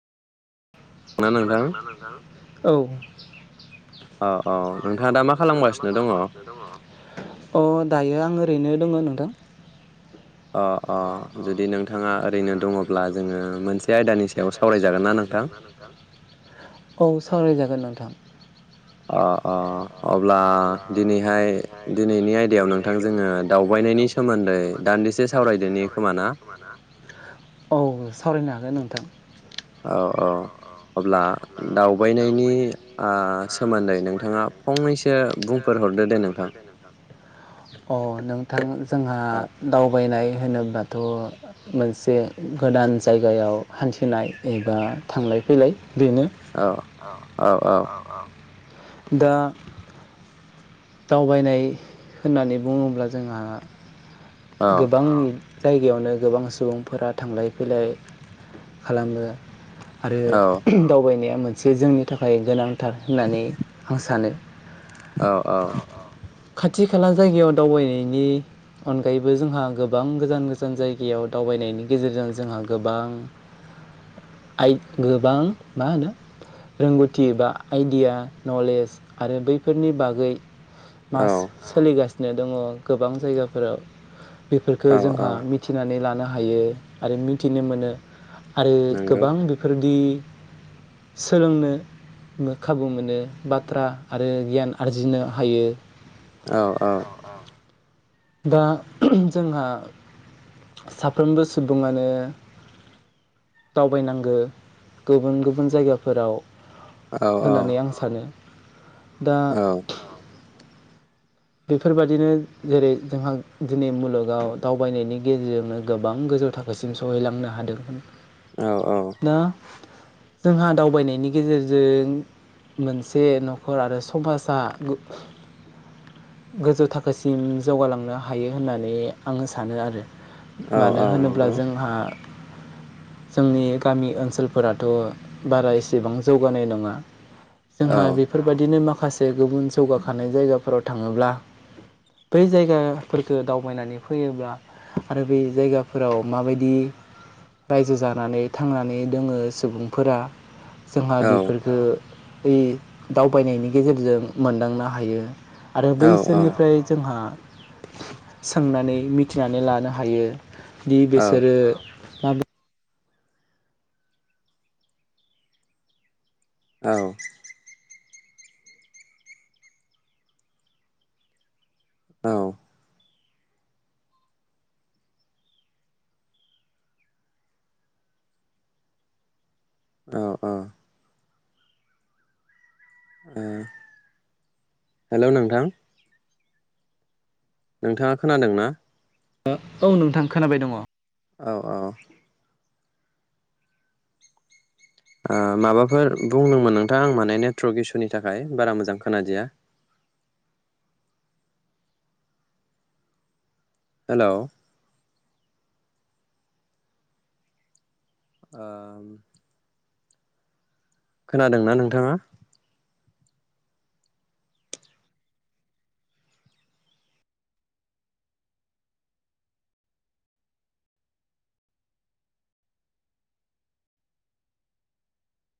ना औ नोंथां खोनादोंना नोंथां औ अ अ औ औ दा मा नोंथाङा दा मा खालामगासिनो दङ? खालामगासिनो दङ अ दायो आङो ओरैनो दङ नोंथां जुदि नोंथाङा ओरैनो दङब्ला जोङो मोनसे आयदानि सायाव सावराय जागोन ना नोंथां औ सावरायजागोन नोंथां अ अ अब्ला दिनैहाय दिनैनि आयदायाव नोंथां जोङो दावबायनायनि सोमोन्दै दान्दिसे सावराय औ सावरायनो हागोन नोंथां औ औ अब्ला दावबायनायनि सोमोन्दै नोंथाङा फंसे बुंफोर हरदो दे नोंथां औ नोंथां जोंहा औ दावबायनाय होनोबाथ' मोनसे गोदान जायगायाव हान्थिनाय एबा थांलाय फैलाय बेनो औ औ औ दा दावबायनाय होननानै बुङोब्ला जोंहा औ गोबां जायगायावनो गोबां सुबुंफोरा थांलाय फैलाय खालामो आरो औ दावबायनाया मोन मोनसे जोंनि थाखाय गोनांथार होननानै आं सानो। औ औ। खाथि खाला जायगायाव दावबायनायनि अनग अनगायैबो जोंहा गोबां गोजान गोजान जायगायाव दावबायनायनि गेजेरजों जोंहा गोबां गोबां मा होनो रोंगौथि बा आइडिया नलेज आरो बैफोरनि बागै औ मास सोलिगासिनो फिनो दङ गोबां जायगाफोराव बेफोरफोरखो औ जोंहा औ मिथिनानै लानो हायो आरो मिथिनो मोनो। आरो नंगौ गोबां बेफोरदि। सोलोंनो लो खाबु मोनो बाथ्रा आरो गियान आरजिनो हायो। औ औ। दा जोंहा साफ्रोमबो सुबुङानो दावबायनांगो गुबुन गुबुन जायगाफोराव। औ होननानै आं सानो। दा। बेफोरबादिनो जेरै जोंहा दिनै मुलुगाव दावबायनायनि गेजेरजोंनो गोबां गोजौ थाखोसिम सहैलांनो हादोंमोन। औ औ। जोंहा दावबायनायनि गेजेरजों मोनसे न'खर आरो समाजा गो गोजौ थाखोसिम जौगालांनो हायो होननानै आंङो सानो आरो। औ औ मानो होनोब्ला नंगौ जोंहा। जोंनि गामि ओनसोलफोराथ' बारा एसेबां जौगानाय नङा। औ जोंहा बेफोरबायदिनो माख माखासे गुबुन जौगाखानाय जायगाफोराव। थाङोब्ला बै जायगाफोरफोरखौ दावबायनानै फैयोब्ला आरो बै जायगाफोराव माबायदि रायजो जानानै थांनानै दोंङो सुबुंफोरा। जोंहा औ बेफोरखो। हैयो दावबायनायनि गेजेरजों मोनदांनो हायो। आरो बैसोरनिफ्राय जोंहा। सोंनानै मिथिनानै लानो हायो। दि औ बेसोरो। दा बे। औ। औ। औ-औ। ओ नोंथाङा खोनादों ना। ओ औ नोंथां खोनाबाय दंङ। औ-औ। ओ माबाफोर बुंदोंमोन नोंथां आं माने नेटवर्क इसुनि थाखाय बारा मोजां खोनादिया। हेलौ। ओम खोनादोंना नोंथाङा।